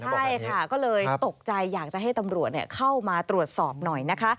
ใช่ค่ะก็เลยตกใจอยากจะให้ตำรวจเข้ามาตรวจสอบหน่อยนะคะ